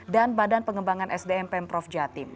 dan badan pengembangan sdmpm prof jatim